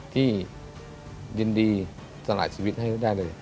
ยินดีสลายชีวิตให้ได้เลย